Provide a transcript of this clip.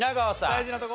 大事なとこ。